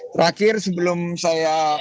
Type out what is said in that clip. terakhir sebelum saya